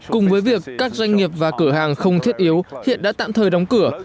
cùng với việc các doanh nghiệp và cửa hàng không thiết yếu hiện đã tạm thời đóng cửa